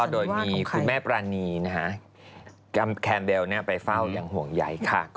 โดยมีคุณแม่ปรานีแคมเบลไปเฝ้าอย่างห่วงใยค่ะ